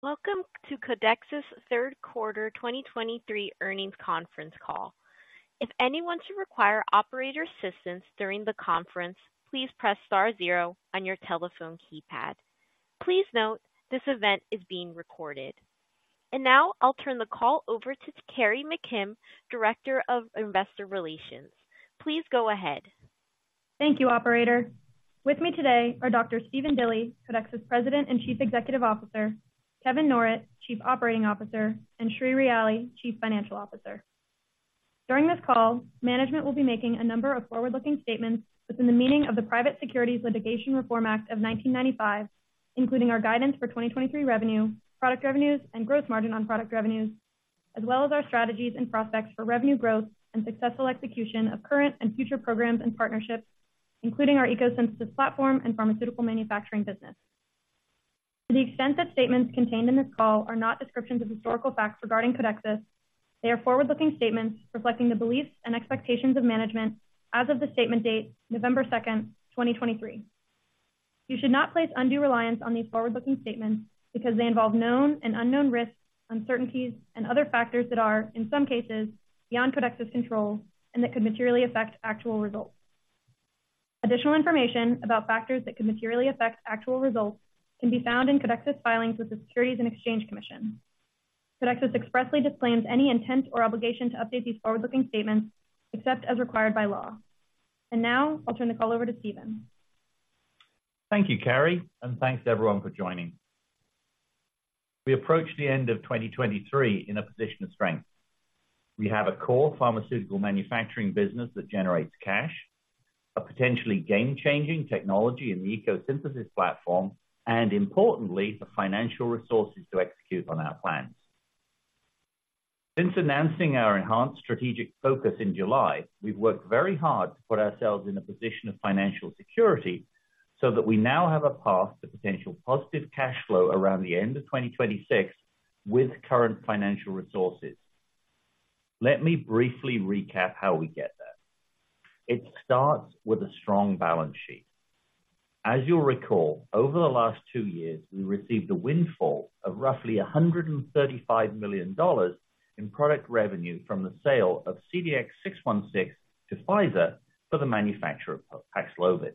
Welcome to Codexis' Third Quarter 2023 Earnings Conference Call. If anyone should require operator assistance during the conference, please press star zero on your telephone keypad. Please note, this event is being recorded. Now I'll turn the call over to Carrie McKim, Director of Investor Relations. Please go ahead. Thank you, operator. With me today are Dr. Stephen Dilly, Codexis President and Chief Executive Officer, Kevin Norrett, Chief Operating Officer, and Sri Ryali, Chief Financial Officer. During this call, management will be making a number of forward-looking statements within the meaning of the Private Securities Litigation Reform Act of 1995, including our guidance for 2023 revenue, product revenues, and gross margin on product revenues, as well as our strategies and prospects for revenue growth and successful execution of current and future programs and partnerships, including our ECO Synthesis platform and pharmaceutical manufacturing business. To the extent that statements contained in this call are not descriptions of historical facts regarding Codexis, they are forward-looking statements reflecting the beliefs and expectations of management as of the statement date, November 2, 2023. You should not place undue reliance on these forward-looking statements because they involve known and unknown risks, uncertainties, and other factors that are, in some cases, beyond Codexis control and that could materially affect actual results. Additional information about factors that could materially affect actual results can be found in Codexis' filings with the Securities and Exchange Commission. Codexis expressly disclaims any intent or obligation to update these forward-looking statements, except as required by law. Now I'll turn the call over to Stephen. Thank you, Carrie, and thanks to everyone for joining. We approach the end of 2023 in a position of strength. We have a core pharmaceutical manufacturing business that generates cash, a potentially game-changing technology in the ECO Synthesis platform, and importantly, the financial resources to execute on our plans. Since announcing our enhanced strategic focus in July, we've worked very hard to put ourselves in a position of financial security so that we now have a path to potential positive cash flow around the end of 2026 with current financial resources. Let me briefly recap how we get there. It starts with a strong balance sheet. As you'll recall, over the last two years, we received a windfall of roughly $135 million in product revenue from the sale of CDX-616 to Pfizer for the manufacture of PAXLOVID.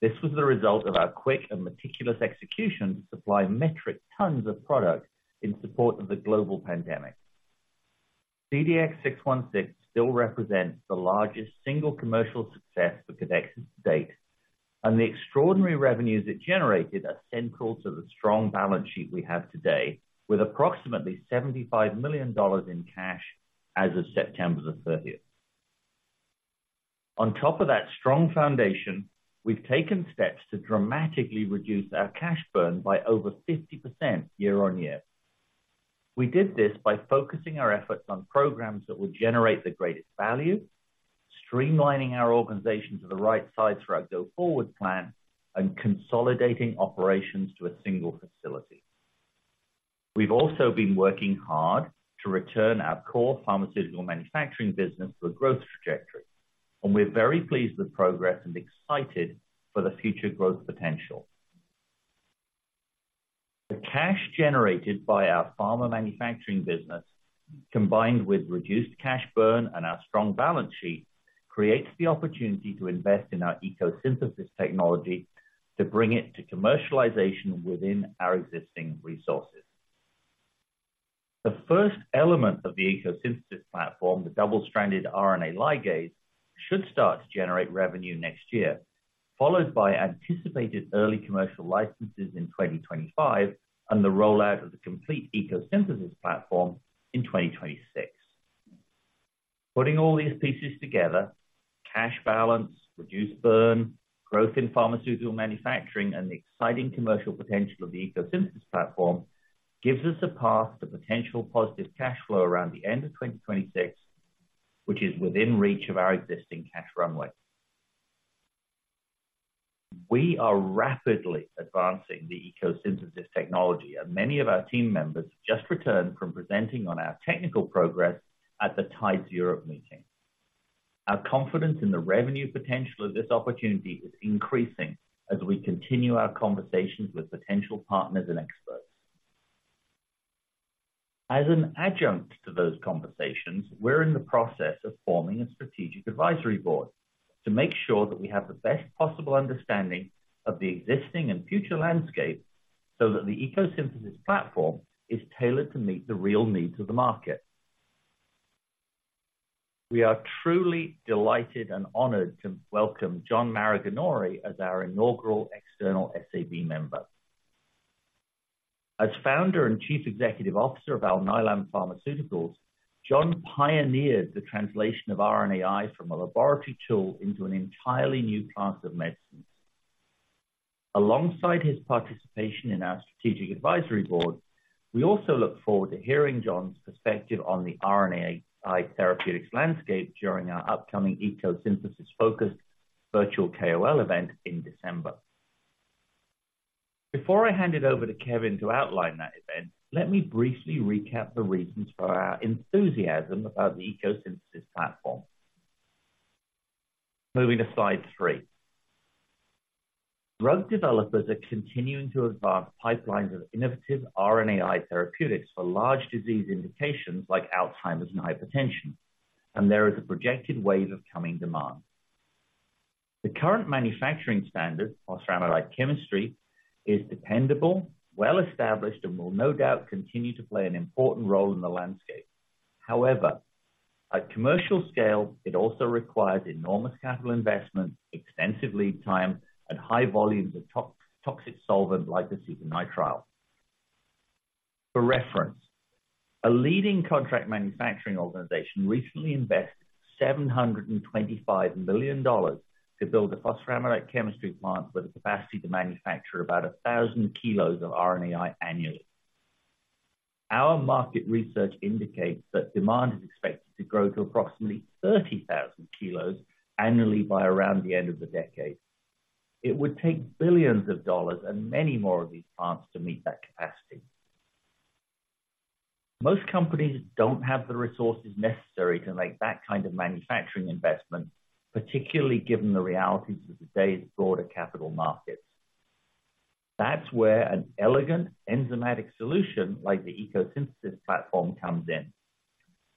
This was the result of our quick and meticulous execution to supply metric tons of product in support of the global pandemic. CDX-616 still represents the largest single commercial success for Codexis to date, and the extraordinary revenues it generated are central to the strong balance sheet we have today, with approximately $75 million in cash as of September 30. On top of that strong foundation, we've taken steps to dramatically reduce our cash burn by over 50% year-over-year. We did this by focusing our efforts on programs that will generate the greatest value, streamlining our organization to the right size for our go-forward plan, and consolidating operations to a single facility. We've also been working hard to return our core pharmaceutical manufacturing business to a growth trajectory, and we're very pleased with progress and excited for the future growth potential. The cash generated by our pharma manufacturing business, combined with reduced cash burn and our strong balance sheet, creates the opportunity to invest in our ECO Synthesis technology to bring it to commercialization within our existing resources. The first element of the ECO Synthesis platform, the double-stranded RNA ligase, should start to generate revenue next year, followed by anticipated early commercial licenses in 2025 and the rollout of the complete ECO Synthesis platform in 2026. Putting all these pieces together, cash balance, reduced burn, growth in pharmaceutical manufacturing, and the exciting commercial potential of the ECO Synthesis platform, gives us a path to potential positive cash flow around the end of 2026, which is within reach of our existing cash runway. We are rapidly advancing the ECO Synthesis technology, and many of our team members just returned from presenting on our technical progress at the TIDES Europe meeting. Our confidence in the revenue potential of this opportunity is increasing as we continue our conversations with potential partners and experts. As an adjunct to those conversations, we're in the process of forming a strategic advisory board to make sure that we have the best possible understanding of the existing and future landscape, so that the ECO Synthesis platform is tailored to meet the real needs of the market. We are truly delighted and honored to welcome John Maraganore as our Inaugural External SAB Member. As Founder and Chief Executive Officer of Alnylam Pharmaceuticals, John pioneered the translation of RNAi from a laboratory tool into an entirely new class of medicines. Alongside his participation in our strategic advisory board, we also look forward to hearing John's perspective on the RNAi therapeutics landscape during our upcoming ECO Synthesis-focused virtual KOL event in December. Before I hand it over to Kevin to outline that event, let me briefly recap the reasons for our enthusiasm about the ECO Synthesis™ platform.... Moving to slide 3. Drug developers are continuing to advance pipelines of innovative RNAi therapeutics for large disease indications like Alzheimer's and hypertension, and there is a projected wave of coming demand. The current manufacturing standard, phosphoramidite chemistry, is dependable, well-established, and will no doubt continue to play an important role in the landscape. However, at commercial scale, it also requires enormous capital investment, extensive lead time, and high volumes of toxic solvent like acetonitrile. For reference, a leading contract manufacturing organization recently invested $725 million to build a phosphoramidite chemistry plant with a capacity to manufacture about 1,000 kilos of RNAi annually. Our market research indicates that demand is expected to grow to approximately 30,000 kilos annually by around the end of the decade. It would take billions of dollars and many more of these plants to meet that capacity. Most companies don't have the resources necessary to make that kind of manufacturing investment, particularly given the realities of today's broader capital markets. That's where an elegant enzymatic solution, like the ECO Synthesis™ platform, comes in.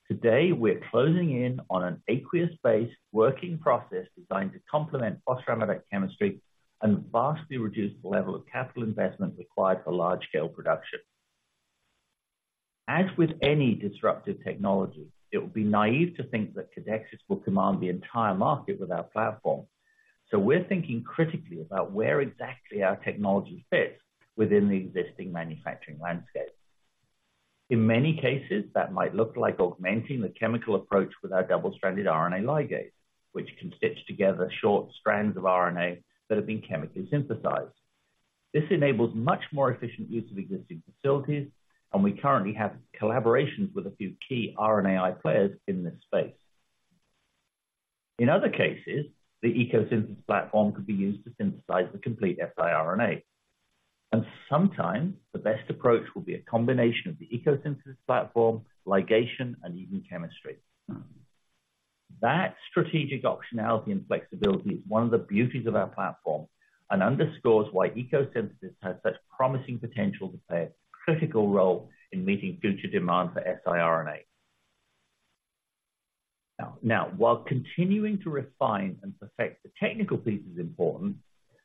Today, we're closing in on an aqueous-based working process designed to complement phosphoramidite chemistry and vastly reduce the level of capital investment required for large-scale production. As with any disruptive technology, it would be naive to think that Codexis will command the entire market with our platform, so we're thinking critically about where exactly our technology fits within the existing manufacturing landscape. In many cases, that might look like augmenting the chemical approach with our double-stranded RNA ligase, which can stitch together short strands of RNA that have been chemically synthesized. This enables much more efficient use of existing facilities, and we currently have collaborations with a few key RNAi players in this space. In other cases, the ECO Synthesis platform could be used to synthesize the complete siRNA. And sometimes, the best approach will be a combination of the ECO Synthesis platform, ligation, and even chemistry. That strategic optionality and flexibility is one of the beauties of our platform and underscores why ECO Synthesis has such promising potential to play a critical role in meeting future demand for siRNA. Now, while continuing to refine and perfect the technical piece is important,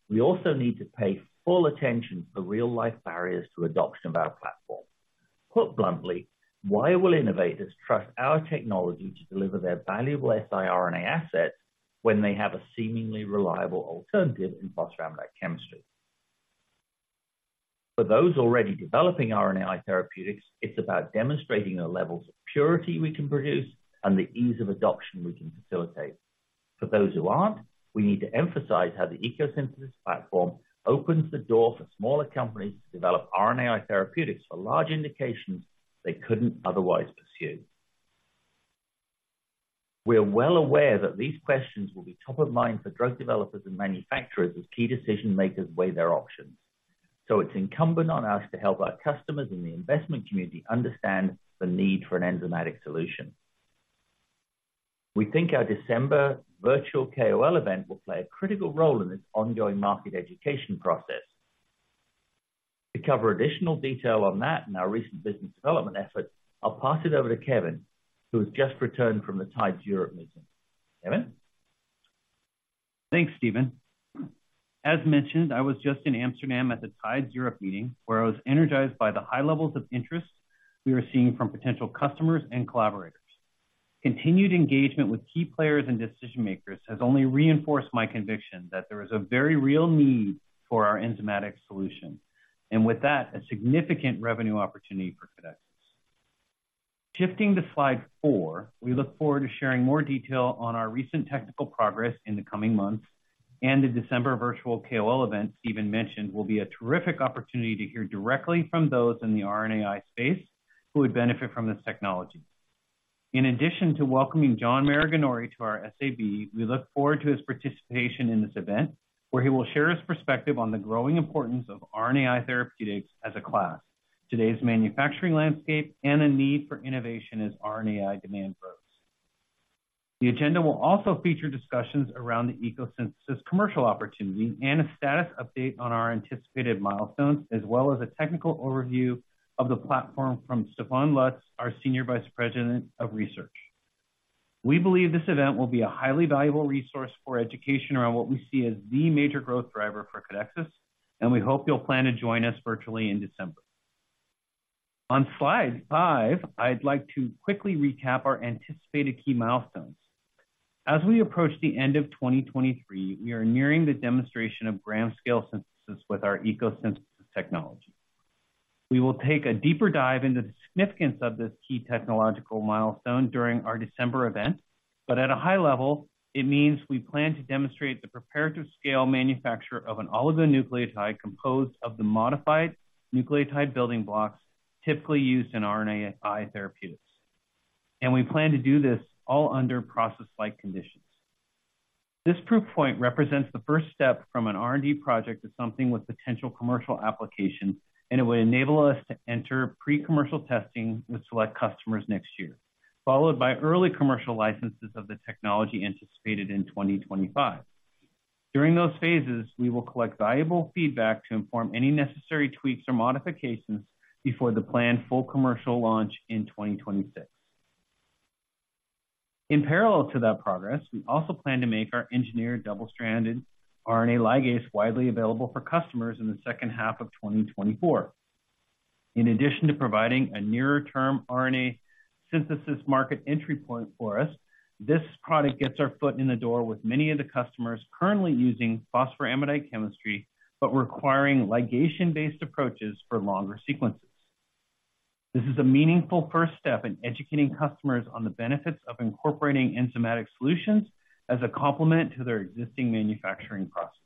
we also need to pay full attention to the real-life barriers to adoption of our platform. Put bluntly, why will innovators trust our technology to deliver their valuable siRNA assets when they have a seemingly reliable alternative in phosphoramidite chemistry? For those already developing RNAi therapeutics, it's about demonstrating the levels of purity we can produce and the ease of adoption we can facilitate. For those who aren't, we need to emphasize how the ECO Synthesis™ platform opens the door for smaller companies to develop RNAi therapeutics for large indications they couldn't otherwise pursue. We're well aware that these questions will be top of mind for drug developers and manufacturers as key decision-makers weigh their options, so it's incumbent on us to help our customers and the investment community understand the need for an enzymatic solution. We think our December virtual KOL event will play a critical role in this ongoing market education process. To cover additional detail on that and our recent business development efforts, I'll pass it over to Kevin, who has just returned from the TIDES Europe meeting. Kevin? Thanks, Stephen. As mentioned, I was just in Amsterdam at the TIDES Europe meeting, where I was energized by the high levels of interest we are seeing from potential customers and collaborators. Continued engagement with key players and decision-makers has only reinforced my conviction that there is a very real need for our enzymatic solution, and with that, a significant revenue opportunity for Codexis. Shifting to slide four, we look forward to sharing more detail on our recent technical progress in the coming months, and the December virtual KOL event Stephen mentioned will be a terrific opportunity to hear directly from those in the RNAi space who would benefit from this technology. In addition to welcoming John Maraganore to our SAB, we look forward to his participation in this event, where he will share his perspective on the growing importance of RNAi therapeutics as a class, today's manufacturing landscape, and the need for innovation as RNAi demand grows. The agenda will also feature discussions around the ECO Synthesis commercial opportunity and a status update on our anticipated milestones, as well as a technical overview of the platform from Stefan Lutz, our Senior Vice President of Research. We believe this event will be a highly valuable resource for education around what we see as the major growth driver for Codexis, and we hope you'll plan to join us virtually in December. On slide 5, I'd like to quickly recap our anticipated key milestones. As we approach the end of 2023, we are nearing the demonstration of gram scale synthesis with our ECO Synthesis technology. We will take a deeper dive into the significance of this key technological milestone during our December event, but at a high level, it means we plan to demonstrate the preparative scale manufacture of an oligonucleotide composed of the modified nucleotide building blocks typically used in RNAi therapeutics. We plan to do this all under process-like conditions. This proof point represents the first step from an R&D project to something with potential commercial application, and it will enable us to enter pre-commercial testing with select customers next year, followed by early commercial licenses of the technology anticipated in 2025. During those phases, we will collect valuable feedback to inform any necessary tweaks or modifications before the planned full commercial launch in 2026. In parallel to that progress, we also plan to make our engineered double-stranded RNA ligase widely available for customers in the second half of 2024. In addition to providing a nearer-term RNA synthesis market entry point for us, this product gets our foot in the door with many of the customers currently using phosphoramidite chemistry, but requiring ligation-based approaches for longer sequences. This is a meaningful first step in educating customers on the benefits of incorporating enzymatic solutions as a complement to their existing manufacturing processes.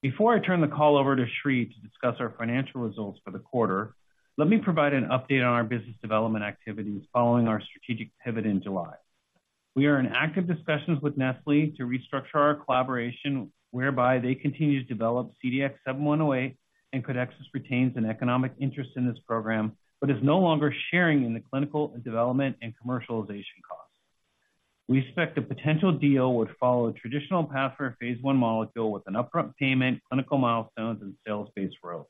Before I turn the call over to Sri to discuss our financial results for the quarter, let me provide an update on our business development activities following our strategic pivot in July. We are in active discussions with Nestlé to restructure our collaboration, whereby they continue to develop CDX-7108, and Codexis retains an economic interest in this program, but is no longer sharing in the clinical and development and commercialization costs. We expect a potential deal would follow a traditional path for a phase one molecule with an upfront payment, clinical milestones, and sales-based royalties.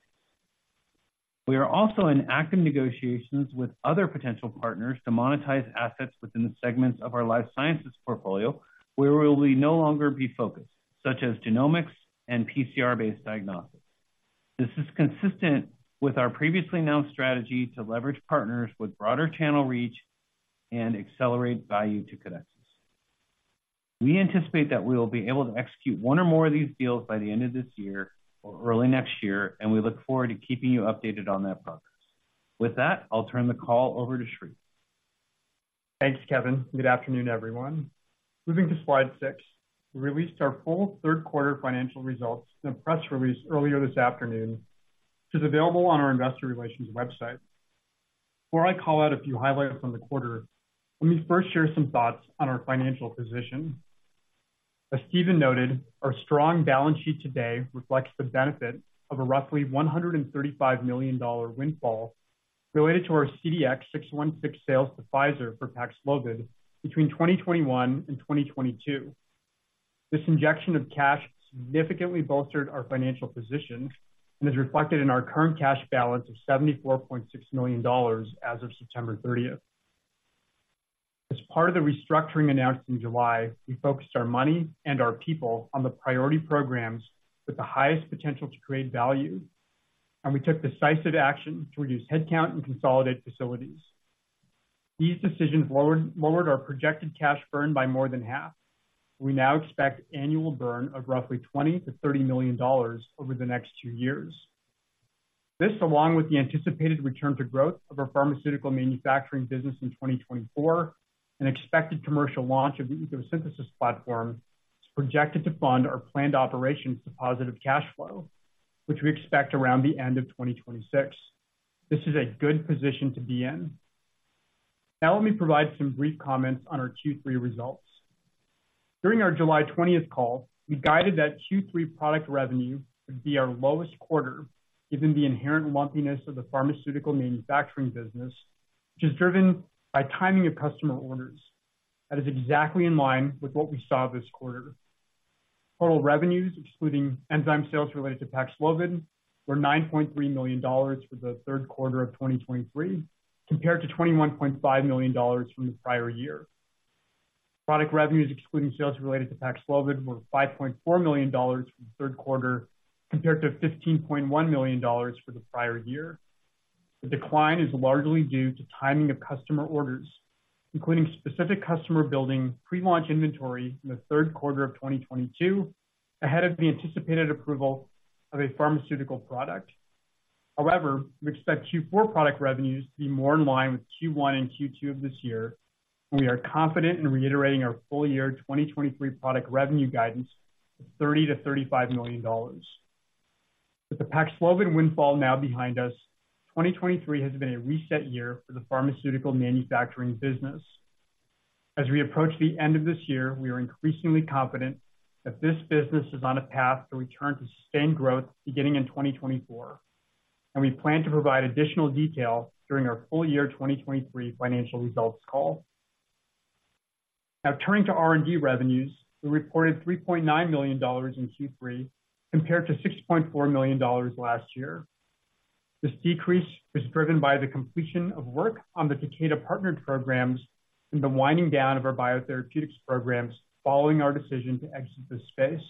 We are also in active negotiations with other potential partners to monetize assets within the segments of our life sciences portfolio, where we will no longer be focused, such as genomics and PCR-based diagnostics. This is consistent with our previously announced strategy to leverage partners with broader channel reach and accelerate value to Codexis. We anticipate that we will be able to execute one or more of these deals by the end of this year or early next year, and we look forward to keeping you updated on that progress. With that, I'll turn the call over to Sri. Thanks, Kevin. Good afternoon, everyone. Moving to slide 6, we released our full third quarter financial results in a press release earlier this afternoon, which is available on our investor relations website. Before I call out a few highlights from the quarter, let me first share some thoughts on our financial position. As Stephen noted, our strong balance sheet today reflects the benefit of a roughly $135 million windfall related to our CDX-616 sales to Pfizer for PAXLOVID between 2021 and 2022. This injection of cash significantly bolstered our financial position and is reflected in our current cash balance of $74.6 million as of September 30. As part of the restructuring announced in July, we focused our money and our people on the priority programs with the highest potential to create value, and we took decisive action to reduce headcount and consolidate facilities. These decisions lowered our projected cash burn by more than half. We now expect annual burn of roughly $20-$30 million over the next two years. This, along with the anticipated return to growth of our pharmaceutical manufacturing business in 2024 and expected commercial launch of the ECO Synthesis platform, is projected to fund our planned operations to positive cash flow, which we expect around the end of 2026. This is a good position to be in. Now, let me provide some brief comments on our Q3 results. During our July 20 call, we guided that Q3 product revenue would be our lowest quarter, given the inherent lumpiness of the pharmaceutical manufacturing business, which is driven by timing of customer orders. That is exactly in line with what we saw this quarter. Total revenues, excluding enzyme sales related to PAXLOVID, were $9.3 million for the third quarter of 2023, compared to $21.5 million from the prior year. Product revenues, excluding sales related to PAXLOVID, were $5.4 million for the third quarter, compared to $15.1 million for the prior year. The decline is largely due to timing of customer orders, including specific customer building pre-launch inventory in the third quarter of 2022, ahead of the anticipated approval of a pharmaceutical product. However, we expect Q4 product revenues to be more in line with Q1 and Q2 of this year, and we are confident in reiterating our full year 2023 product revenue guidance of $30-$35 million. With the PAXLOVID windfall now behind us, 2023 has been a reset year for the pharmaceutical manufacturing business. As we approach the end of this year, we are increasingly confident that this business is on a path to return to sustained growth beginning in 2024, and we plan to provide additional detail during our full year 2023 financial results call. Now, turning to R&D revenues, we reported $3.9 million in Q3, compared to $6.4 million last year. This decrease was driven by the completion of work on the Takeda partnered programs and the winding down of our biotherapeutics programs following our decision to exit this space.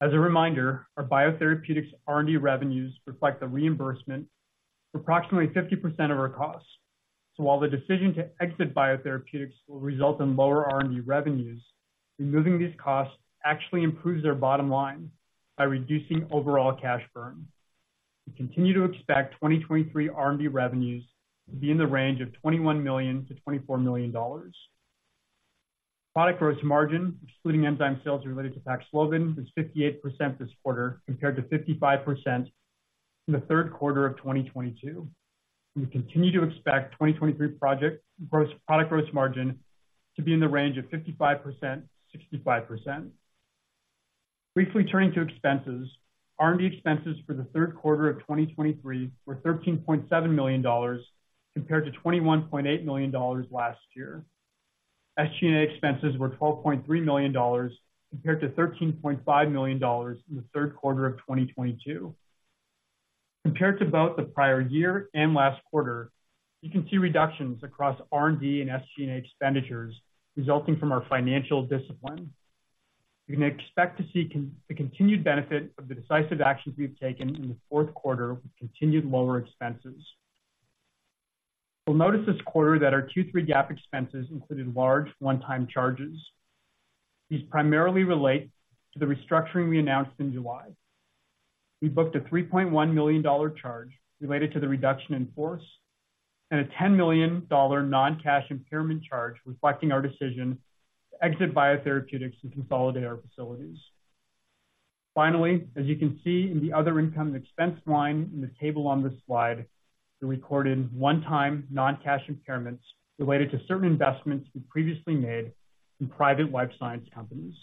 As a reminder, our biotherapeutics R&D revenues reflect a reimbursement for approximately 50% of our costs. So while the decision to exit biotherapeutics will result in lower R&D revenues, removing these costs actually improves their bottom line by reducing overall cash burn. We continue to expect 2023 R&D revenues to be in the range of $21 million-$24 million. Product gross margin, excluding enzyme sales related to PAXLOVID, was 58% this quarter, compared to 55% in the third quarter of 2022. We continue to expect 2023 product gross margin to be in the range of 55%-65%.... Briefly turning to expenses. R&D expenses for the third quarter of 2023 were $13.7 million, compared to $21.8 million last year. SG&A expenses were $12.3 million, compared to $13.5 million in the third quarter of 2022. Compared to both the prior year and last quarter, you can see reductions across R&D and SG&A expenditures resulting from our financial discipline. You can expect to see the continued benefit of the decisive actions we've taken in the fourth quarter, with continued lower expenses. You'll notice this quarter that our 2023 GAAP expenses included large one-time charges. These primarily relate to the restructuring we announced in July. We booked a $3.1 million charge related to the reduction in force and a $10 million non-cash impairment charge, reflecting our decision to exit biotherapeutics and consolidate our facilities. Finally, as you can see in the other income and expense line in the table on this slide, we recorded one-time non-cash impairments related to certain investments we previously made in private life science companies.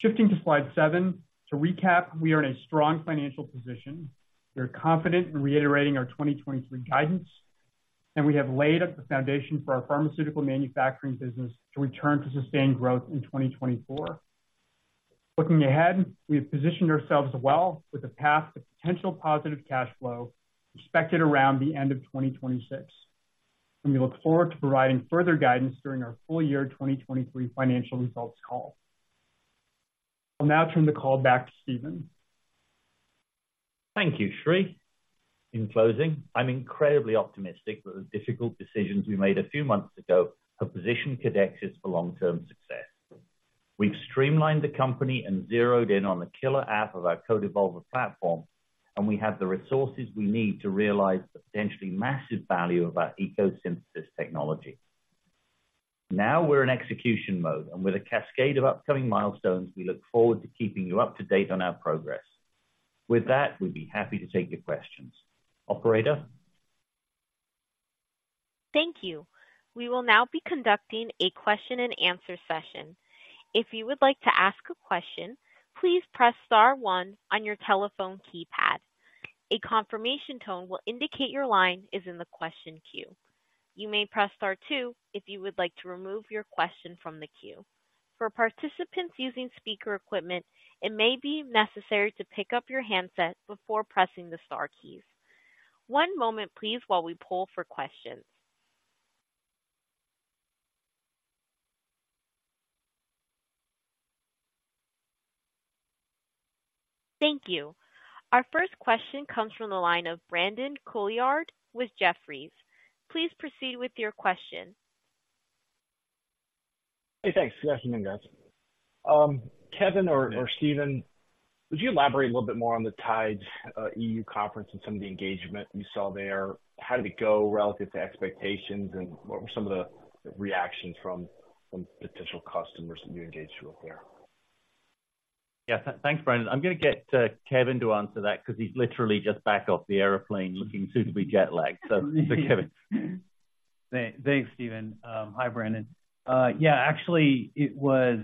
Shifting to slide 7. To recap, we are in a strong financial position. We are confident in reiterating our 2023 guidance, and we have laid up the foundation for our pharmaceutical manufacturing business to return to sustained growth in 2024. Looking ahead, we have positioned ourselves well with a path to potential positive cash flow expected around the end of 2026, and we look forward to providing further guidance during our full year 2023 financial results call. I'll now turn the call back to Stephen. Thank you, Sri. In closing, I'm incredibly optimistic that the difficult decisions we made a few months ago have positioned Codexis for long-term success. We've streamlined the company and zeroed in on the killer app of our CodeEvolver platform, and we have the resources we need to realize the potentially massive value of our ECO Synthesis technology. Now we're in execution mode, and with a cascade of upcoming milestones, we look forward to keeping you up to date on our progress. With that, we'd be happy to take your questions. Operator? Thank you. We will now be conducting a question and answer session. If you would like to ask a question, please press star one on your telephone keypad. A confirmation tone will indicate your line is in the question queue. You may press star two if you would like to remove your question from the queue. For participants using speaker equipment, it may be necessary to pick up your handset before pressing the star keys. One moment, please, while we poll for questions. Thank you. Our first question comes from the line of Brandon Couillard with Jefferies. Please proceed with your question. Hey, thanks. Good afternoon, guys. Kevin or Stephen, would you elaborate a little bit more on the TIDES Europe conference and some of the engagement you saw there? How did it go relative to expectations, and what were some of the reactions from potential customers that you engaged with there? Yeah, thanks, Brandon. I'm going to get Kevin to answer that because he's literally just back off the airplane looking suitably jet-lagged. So, Kevin. Thanks, Stephen. Hi, Brandon. Yeah, actually, it was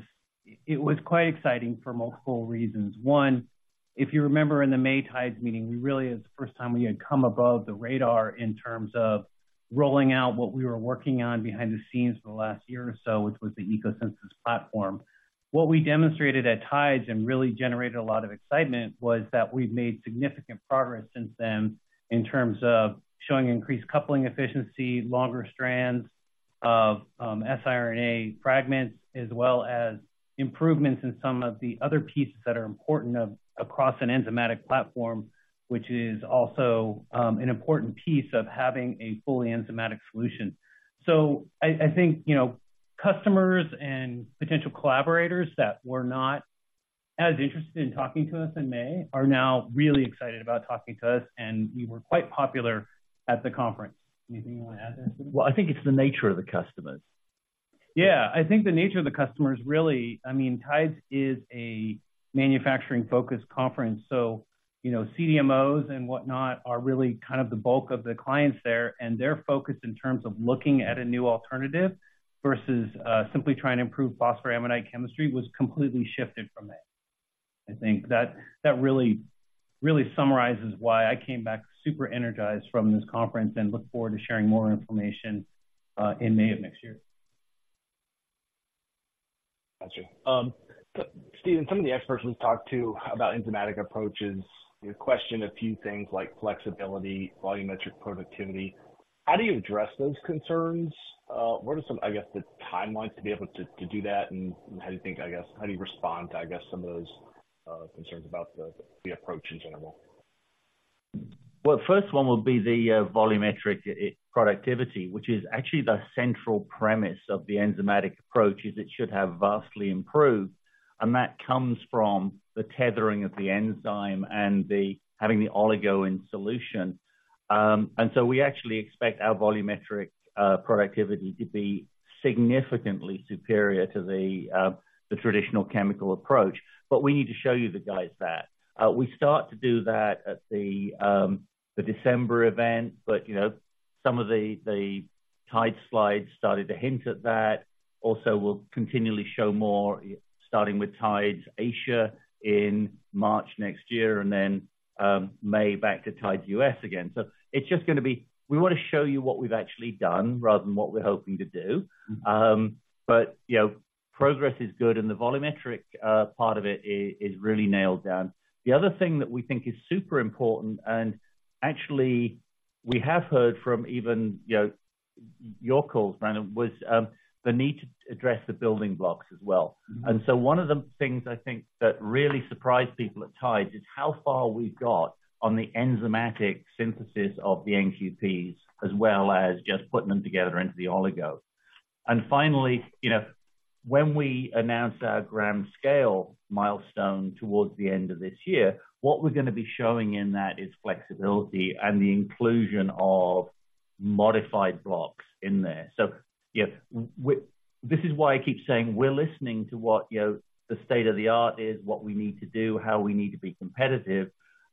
quite exciting for multiple reasons. One, if you remember in the May TIDES meeting, we really, it was the first time we had come above the radar in terms of rolling out what we were working on behind the scenes for the last year or so, which was the ECO Synthesis platform. What we demonstrated at TIDES and really generated a lot of excitement, was that we've made significant progress since then in terms of showing increased coupling efficiency, longer strands of siRNA fragments, as well as improvements in some of the other pieces that are important across an enzymatic platform, which is also an important piece of having a fully enzymatic solution. So I think, you know, customers and potential collaborators that were not as interested in talking to us in May are now really excited about talking to us, and we were quite popular at the conference. Anything you want to add there, Stephen? Well, I think it's the nature of the customers. Yeah, I think the nature of the customers, really, I mean, TIDES is a manufacturing-focused conference, so, you know, CDMOs and whatnot are really kind of the bulk of the clients there, and their focus in terms of looking at a new alternative versus simply trying to improve phosphoramidite chemistry, was completely shifted from that. I think that really, really summarizes why I came back super energized from this conference and look forward to sharing more information in May of next year. Gotcha. Stephen, some of the experts we've talked to about enzymatic approaches, you know, question a few things like flexibility, volumetric productivity. How do you address those concerns? What are some, I guess, the timelines to be able to, to do that, and how do you think... I guess, how do you respond to, I guess, some of those concerns about the, the approach in general? Well, the first one would be the volumetric productivity, which is actually the central premise of the enzymatic approach, is it should have vastly improved, and that comes from the tethering of the enzyme and the having the oligo in solution. And so we actually expect our volumetric productivity to be significantly superior to the traditional chemical approach. But we need to show you guys that. We start to do that at the December event, but you know, some of the TIDES slides started to hint at that. Also, we'll continually show more, starting with TIDES Asia in March next year and then May back to TIDES US again. So it's just going to be we want to show you what we've actually done rather than what we're hoping to do. But, you know, progress is good, and the volumetric part of it is really nailed down. The other thing that we think is super important, and actually we have heard from even, you know, your calls, Brandon, was the need to address the building blocks as well. And so one of the things I think that really surprised people at TIDES is how far we've got on the enzymatic synthesis of the NTPs, as well as just putting them together into the oligos. And finally, you know, when we announce our gram scale milestone towards the end of this year, what we're going to be showing in that is flexibility and the inclusion of modified blocks in there. So, yeah, we—this is why I keep saying we're listening to what, you know, the state of the art is, what we need to do, how we need to be competitive.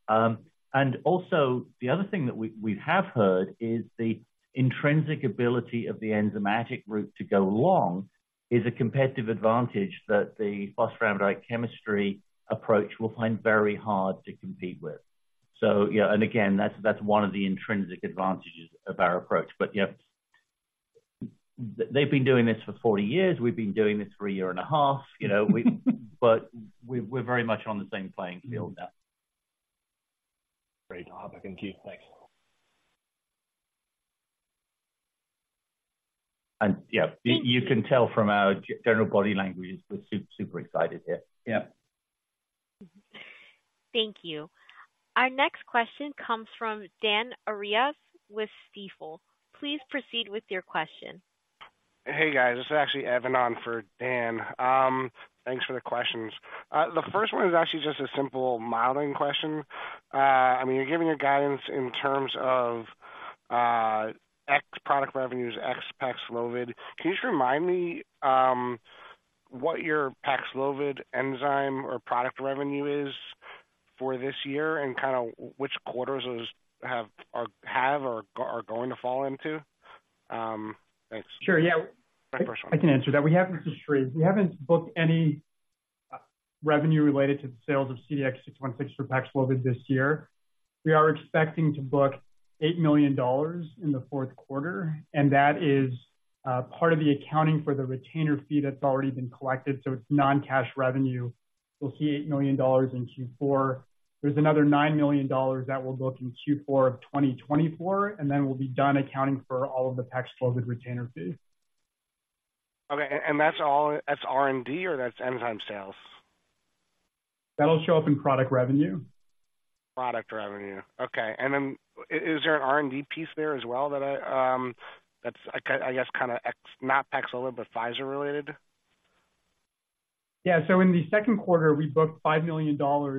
And also, the other thing that we have heard is the intrinsic ability of the enzymatic route to go long is a competitive advantage that the phosphoramidite chemistry approach will find very hard to compete with. So, yeah, and again, that's one of the intrinsic advantages of our approach. But, yeah, they've been doing this for 40 years. We've been doing this for a year and a half, you know, but we're very much on the same playing field now. Great to have it. Thank you. Thanks. And, yeah, you can tell from our general body language, we're super excited here. Yeah. Thank you. Our next question comes from Dan Arias with Stifel. Please proceed with your question. Hey, guys. This is actually Evan on for Dan. Thanks for the questions. The first one is actually just a simple modeling question. I mean, you're giving a guidance in terms of ex product revenues, ex PAXLOVID. Can you just remind me what your PAXLOVID enzyme or product revenue is for this year and kind of which quarters those have or are going to fall into? Thanks. Sure. Yeah. My first one. I can answer that. We haven't booked any revenue related to the sales of CDX-616 for PAXLOVID this year. We are expecting to book $8 million in the fourth quarter, and that is part of the accounting for the retainer fee that's already been collected, so it's non-cash revenue. We'll see $8 million in Q4. There's another $9 million that we'll book in Q4 of 2024, and then we'll be done accounting for all of the PAXLOVID retainer fees. Okay, and that's all, that's R&D or that's enzyme sales? That'll show up in product revenue. Product revenue. Okay. And then is there an R&D piece there as well, that I, that's, I guess, kind of X, not PAXLOVID, but Pfizer-related? Yeah. So in the second quarter, we booked $5 million.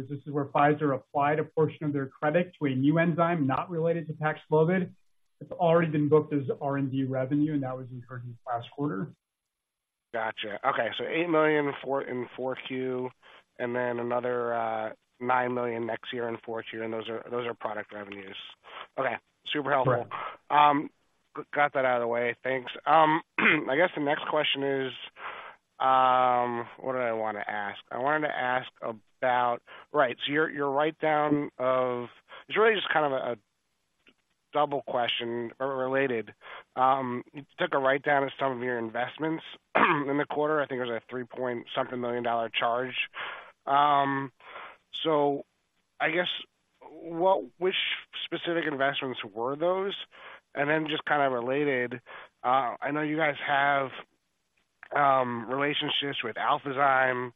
This is where Pfizer applied a portion of their credit to a new enzyme, not related to PAXLOVID. It's already been booked as R&D revenue, and that was incurred in the last quarter. Gotcha. Okay. So $8 million in Q4, and then another $9 million next year in Q4, and those are, those are product revenues. Okay. Super helpful. Right. Got that out of the way. Thanks. I guess the next question is, what did I want to ask? I wanted to ask about... Right, so your, your write down of- it's really just kind of a, a double question or related. You took a write down of some of your investments in the quarter. I think it was a $3.something million charge. So I guess what- which specific investments were those? And then just kind of related, I know you guys have, relationships with Alphazyme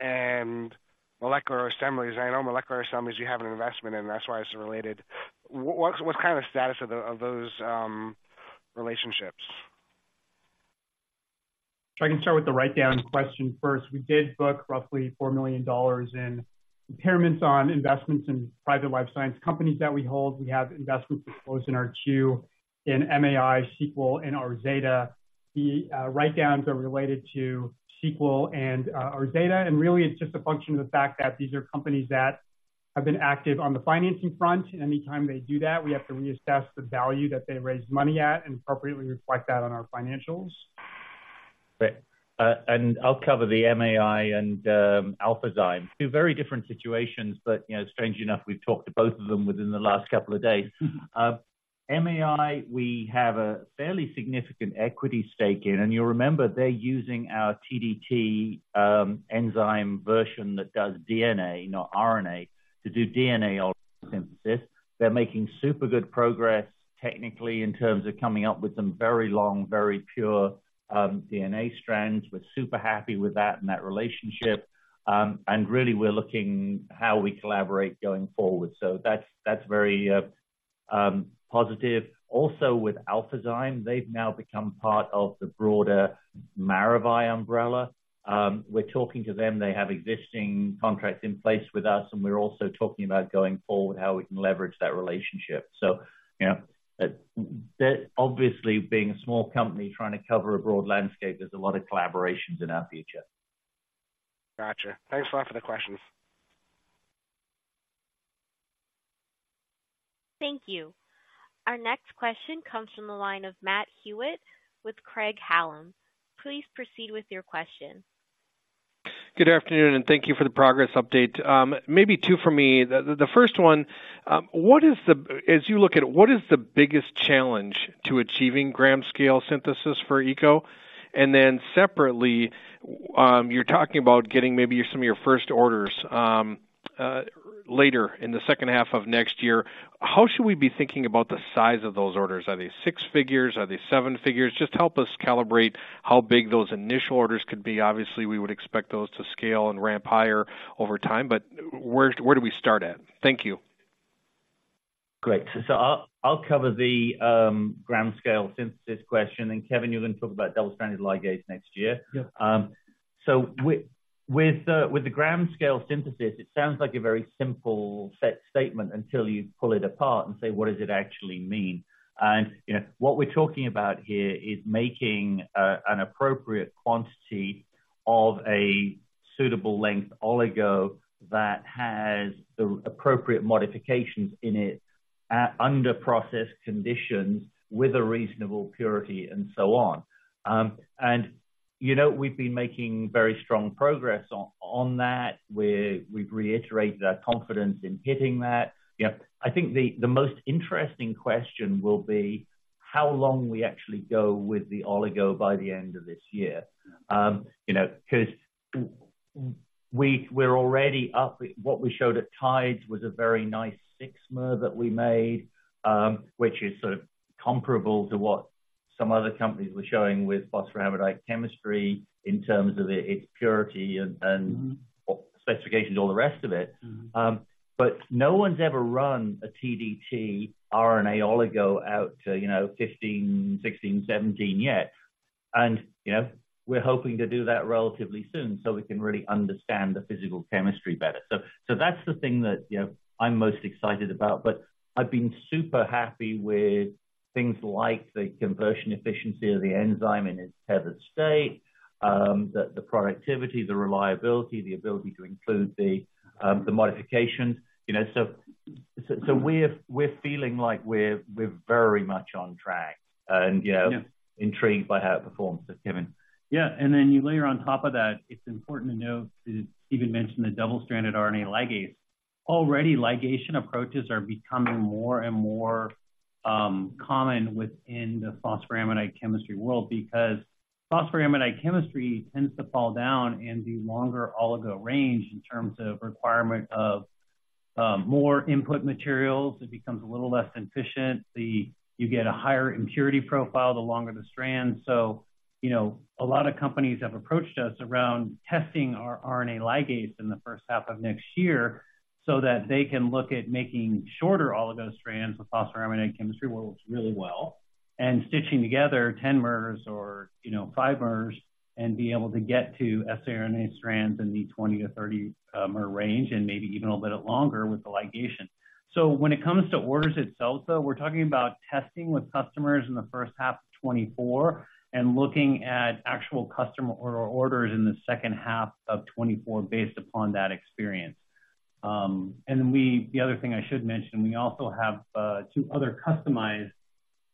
and Molecular Assemblies. I know Molecular Assemblies, you have an investment in, and that's why it's related. What's, what's kind of the status of th- of those, relationships? I can start with the write-down question first. We did book roughly $4 million in impairments on investments in private life science companies that we hold. We have investments disclosed in our 10-Q, in MAI, seqWell, and Arzeda. The write-downs are related to seqWell and Arzeda, and really, it's just a function of the fact that these are companies that have been active on the financing front. Anytime they do that, we have to reassess the value that they raised money at and appropriately reflect that on our financials. Great. And I'll cover the MAI and Alphazyme. Two very different situations, but, you know, strangely enough, we've talked to both of them within the last couple of days. MAI, we have a fairly significant equity stake in, and you'll remember, they're using our TdT enzyme version that does DNA, not RNA, to do DNA synthesis. They're making super good progress technically, in terms of coming up with some very long, very pure DNA strands. We're super happy with that and that relationship, and really, we're looking how we collaborate going forward. So that's very positive. Also with Alphazyme, they've now become part of the broader Maravai umbrella. We're talking to them. They have existing contracts in place with us, and we're also talking about going forward, how we can leverage that relationship. You know, there obviously being a small company trying to cover a broad landscape, there's a lot of collaborations in our future. Gotcha. Thanks a lot for the questions. Thank you. Our next question comes from the line of Matt Hewitt with Craig-Hallum. Please proceed with your question. Good afternoon, and thank you for the progress update. Maybe two for me. The first one, what is the—as you look at it, what is the biggest challenge to achieving gram scale synthesis for ECO? And then separately, you're talking about getting maybe some of your first orders later in the second half of next year. How should we be thinking about the size of those orders? Are they six figures? Are they seven figures? Just help us calibrate how big those initial orders could be. Obviously, we would expect those to scale and ramp higher over time, but where do we start at? Thank you. Great. So I'll, I'll cover the gram scale synthesis question, and, Kevin, you're going to talk about double-stranded ligase next year. Yeah. So with the gram scale synthesis, it sounds like a very simple set statement until you pull it apart and say, "What does it actually mean?" And, you know, what we're talking about here is making an appropriate quantity of a suitable length oligo that has the appropriate modifications in it at under-processed conditions with a reasonable purity and so on. And, you know, we've been making very strong progress on that, where we've reiterated our confidence in hitting that. You know, I think the most interesting question will be how long we actually go with the oligo by the end of this year. You know, because we're already up, what we showed at TIDES was a very nice 6-mer that we made, which is sort of comparable to what some other companies were showing with phosphoramidite chemistry in terms of its purity and specifications, all the rest of it. Mm-hmm. But no one's ever run a TdT RNA oligo out to, you know, 15, 16, 17 yet. And, you know, we're hoping to do that relatively soon, so we can really understand the physical chemistry better. So that's the thing that, you know, I'm most excited about, but I've been super happy with things like the conversion efficiency of the enzyme in its tethered state, the productivity, the reliability, the ability to include the modifications, you know, so we're feeling like we're very much on track and, you know- Yeah. Intrigued by how it performs, so, Kevin. Yeah, and then you layer on top of that, it's important to note that Stephen mentioned the double-stranded RNA ligase. Already, ligation approaches are becoming more and more common within the phosphoramidite chemistry world, because phosphoramidite chemistry tends to fall down in the longer oligo range in terms of requirement of more input materials. It becomes a little less efficient. You get a higher impurity profile, the longer the strand. So, you know, a lot of companies have approached us around testing our RNA ligase in the first half of next year so that they can look at making shorter oligo strands of phosphoramidite chemistry, works really well, and stitching together 10-mers or, you know, 5-mers, and being able to get to siRNA strands in the 20-30 mer range, and maybe even a little bit longer with the ligation. So when it comes to orders itself, though, we're talking about testing with customers in the first half of 2024 and looking at actual customer or orders in the second half of 2024, based upon that experience. And then the other thing I should mention, we also have 2 other customized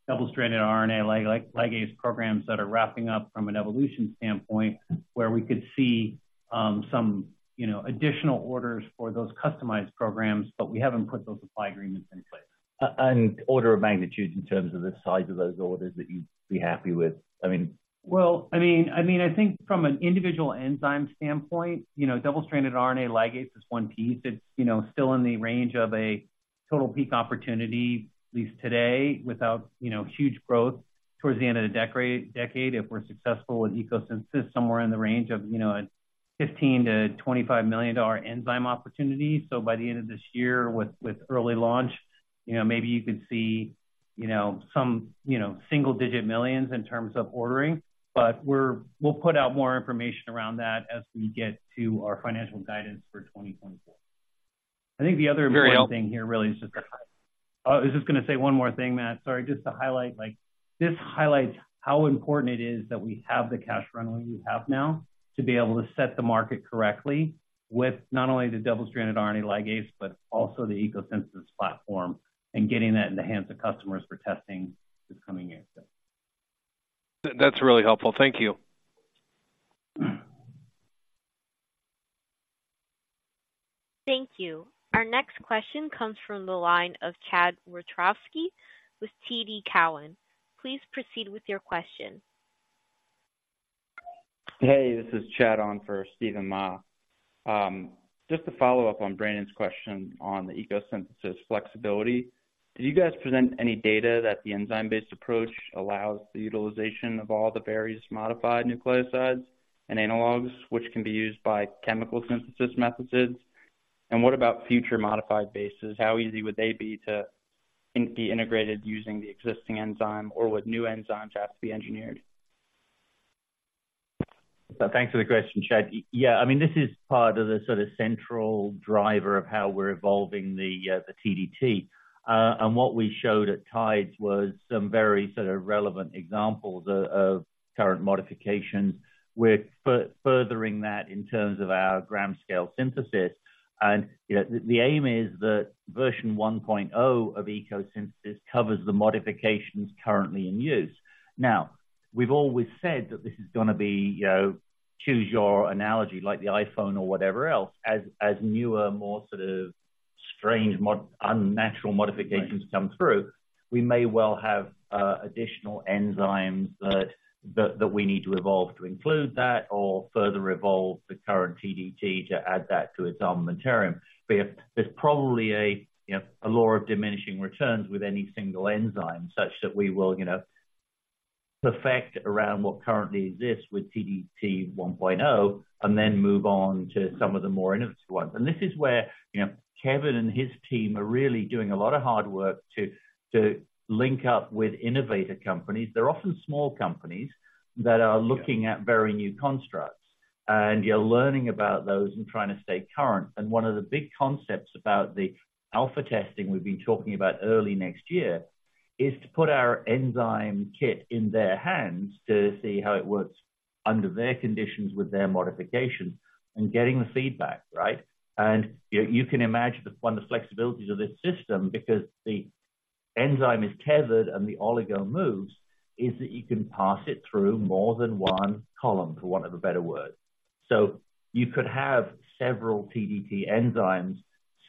double-stranded RNA ligase programs that are wrapping up from an evolution standpoint, where we could see some, you know, additional orders for those customized programs, but we haven't put those supply agreements in place. order of magnitude in terms of the size of those orders that you'd be happy with. I mean- Well, I mean, I mean, I think from an individual enzyme standpoint, you know, double-stranded RNA ligase is one piece. It's, you know, still in the range of a total peak opportunity, at least today, without, you know, huge growth towards the end of the decade. If we're successful with ECO Synthesis, somewhere in the range of, you know, a $15-$25 million enzyme opportunity. So by the end of this year, with, with early launch, you know, maybe you could see, you know, some, you know, single-digit millions in terms of ordering, but we're, we'll put out more information around that as we get to our financial guidance for 2024. I think the other important thing here really is just to... Oh, I was just going to say one more thing, Matt. Sorry. Just to highlight, like, this highlights how important it is that we have the cash runway we have now, to be able to set the market correctly with not only the double-stranded RNA ligase, but also the ECO Synthesis™ platform, and getting that in the hands of customers for testing this coming year. That's really helpful. Thank you. Thank you. Our next question comes from the line of Chad Wiatrowski with TD Cowen. Please proceed with your question. Hey, this is Chad on for Steven Ma. Just to follow up on Brandon's question on the ECO Synthesis flexibility, did you guys present any data that the enzyme-based approach allows the utilization of all the various modified nucleosides and analogs, which can be used by chemical synthesis methods? And what about future modified bases? How easy would they be to be integrated using the existing enzyme, or would new enzymes have to be engineered?... So thanks for the question, Chad. Yeah, I mean, this is part of the sort of central driver of how we're evolving the TdT. And what we showed at TIDES was some very sort of relevant examples of current modifications. We're furthering that in terms of our gram scale synthesis. And, you know, the aim is that version 1.0 of ECO Synthesis covers the modifications currently in use. Now, we've always said that this is gonna be, you know, choose your analogy, like the iPhone or whatever else, as newer, more sort of strange unnatural modifications come through, we may well have additional enzymes that we need to evolve to include that or further evolve the current TdT to add that to its armamentarium. But there's probably a, you know, a law of diminishing returns with any single enzyme, such that we will, you know, perfect around what currently exists with TdT 1.0, and then move on to some of the more innovative ones. And this is where, you know, Kevin and his team are really doing a lot of hard work to link up with innovative companies. They're often small companies that are looking at very new constructs, and you're learning about those and trying to stay current. And one of the big concepts about the alpha testing we've been talking about early next year, is to put our enzyme kit in their hands to see how it works under their conditions with their modifications, and getting the feedback, right? You can imagine the flexibilities of this system, because the enzyme is tethered and the oligo moves, is that you can pass it through more than one column, for want of a better word. So you could have several TdT enzymes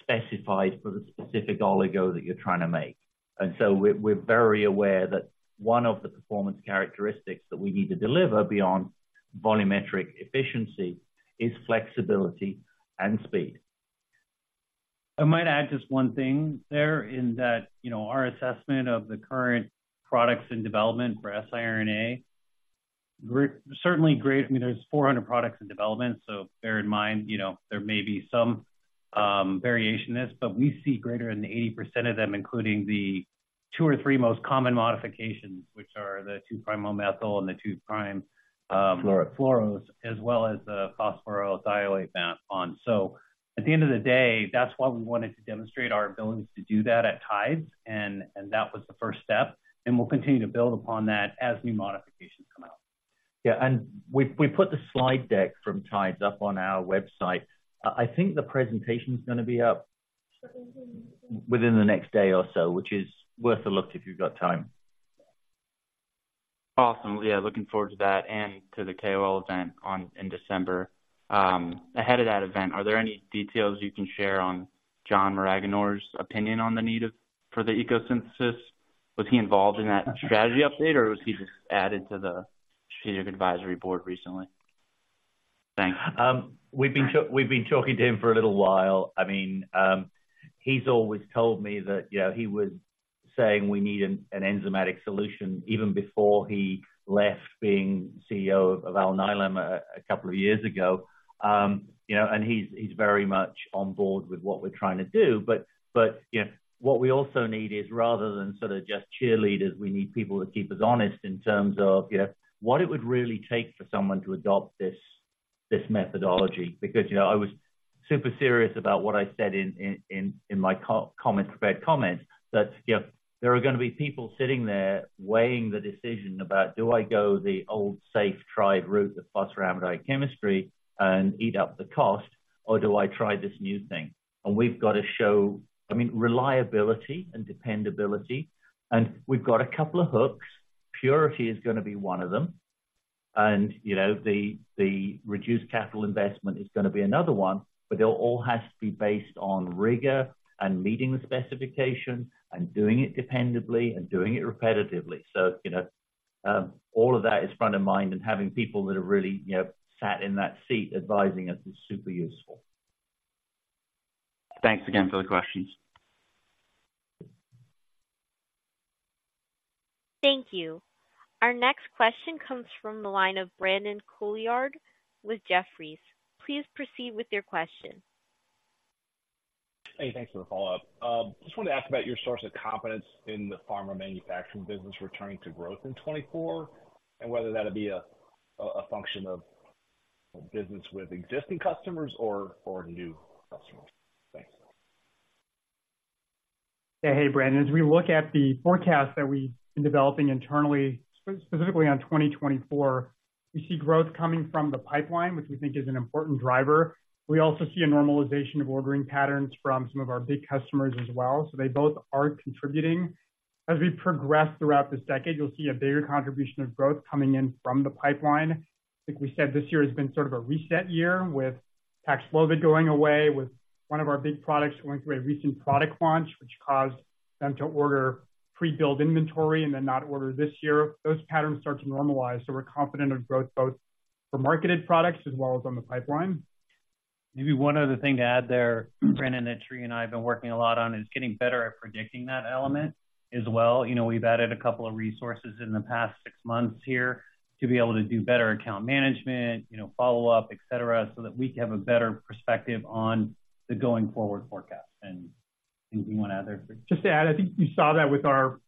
specified for the specific oligo that you're trying to make. And so we're very aware that one of the performance characteristics that we need to deliver beyond volumetric efficiency is flexibility and speed. I might add just one thing there, in that, you know, our assessment of the current products in development for siRNA, we're certainly great. I mean, there's 400 products in development, so bear in mind, you know, there may be some variation in this, but we see greater than 80% of them, including the 2 or 3 most common modifications, which are the 2'-O-methyl and the 2'-fluoro. Fluoros, as well as the phosphorothioate bond. So at the end of the day, that's why we wanted to demonstrate our ability to do that at TIDES, and that was the first step, and we'll continue to build upon that as new modifications come out. Yeah, and we put the slide deck from TIDES up on our website. I think the presentation is gonna be up within the next day or so, which is worth a look if you've got time. Awesome. Yeah, looking forward to that and to the KOL event in December. Ahead of that event, are there any details you can share on John Maraganore's opinion on the need for ECO Synthesis? Was he involved in that strategy update, or was he just added to the Strategic Advisory Board recently? Thanks. We've been talking to him for a little while. I mean, he's always told me that, you know, he was saying we need an enzymatic solution even before he left being CEO of Alnylam a couple of years ago. You know, and he's very much on board with what we're trying to do. But, you know, what we also need is, rather than sort of just cheerleaders, we need people to keep us honest in terms of, you know, what it would really take for someone to adopt this methodology. Because, you know, I was super serious about what I said in my prepared comments, that, you know, there are gonna be people sitting there weighing the decision about: Do I go the old, safe, tried route of phosphoramidite chemistry and eat up the cost, or do I try this new thing? And we've got to show, I mean, reliability and dependability, and we've got a couple of hooks. Purity is gonna be one of them, and, you know, the reduced capital investment is gonna be another one, but it all has to be based on rigor and meeting the specifications and doing it dependably and doing it repetitively. So, you know, all of that is front of mind, and having people that are really, you know, sat in that seat advising us is super useful. Thanks again for the questions. Thank you. Our next question comes from the line of Brandon Couillard with Jefferies. Please proceed with your question. Hey, thanks for the follow-up. Just wanted to ask about your source of confidence in the pharma manufacturing business returning to growth in 2024, and whether that'll be a function of business with existing customers or new customers? Thanks. Hey, Brandon. As we look at the forecast that we've been developing internally, specifically on 2024, we see growth coming from the pipeline, which we think is an important driver. We also see a normalization of ordering patterns from some of our big customers as well, so they both are contributing. As we progress throughout this decade, you'll see a bigger contribution of growth coming in from the pipeline. Like we said, this year has been sort of a reset year, with post-COVID going away, with one of our big products going through a recent product launch, which caused them to order pre-build inventory and then not order this year. Those patterns start to normalize, so we're confident of growth both for marketed products as well as on the pipeline. Maybe one other thing to add there, Brandon, that Sri and I have been working a lot on, is getting better at predicting that element as well. You know, we've added a couple of resources in the past six months here to be able to do better account management, you know, follow-up, et cetera, so that we can have a better perspective on the going forward forecast. Anything you want to add there, Sri? Just to add, I think you saw that with our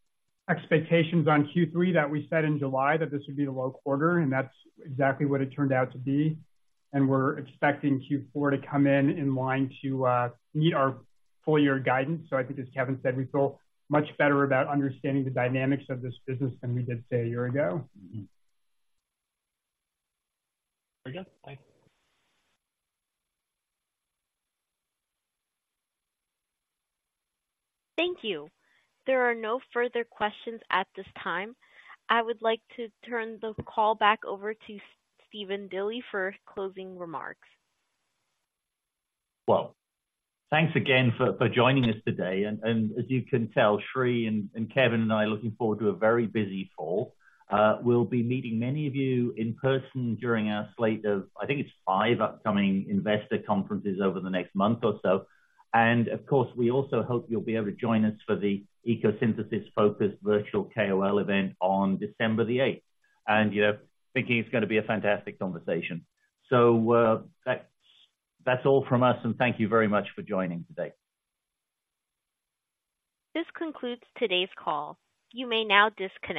expectations on Q3, that we said in July that this would be a low quarter, and that's exactly what it turned out to be, and we're expecting Q4 to come in in line to meet our full year guidance. So I think, as Kevin said, we feel much better about understanding the dynamics of this business than we did, say, a year ago. Mm-hmm. Very good. Bye. Thank you. There are no further questions at this time. I would like to turn the call back over to Stephen Dilly for closing remarks. Well, thanks again for, for joining us today, and, and as you can tell, Sri and, and Kevin and I are looking forward to a very busy fall. We'll be meeting many of you in person during our slate of, I think it's five upcoming investor conferences over the next month or so. Of course, we also hope you'll be able to join us for the ECO Synthesis-focused virtual KOL event on December the eighth. You know, thinking it's gonna be a fantastic conversation. That's all from us, and thank you very much for joining today. This concludes today's call. You may now disconnect.